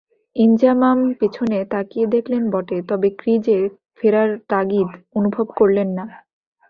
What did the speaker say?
ইনজামাম পেছনে তাকিয়ে দেখলেন বটে, তবে ক্রিজে ফেরার তাগিদ অনুভব করলেন না।